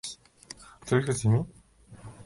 Estas propiedades se marcan como: "propiedad: valor".